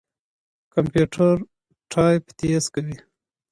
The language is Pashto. کمپيوټر ټايپ تېز کوي.